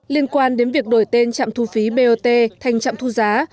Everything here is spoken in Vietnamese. liên quan đến việc đổi tên chạm thu phí bot thành chạm thu giá